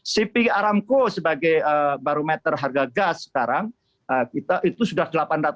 cp aramco sebagai barometer harga gas sekarang itu sudah delapan ratus